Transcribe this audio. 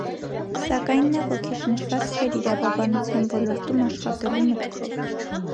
Սակայն նա ոգեշնչված չէր իրավաբանության ոլորտում աշխատելու մտքով։